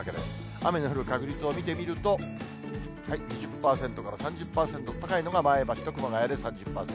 雨の降る確率を見てみると、２０％から３０％、高いのが前橋と熊谷で３０％。